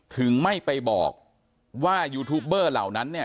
ถึงไม่ไปบอกว่ายูทูปเบอร์เหล่านั้นเนี่ย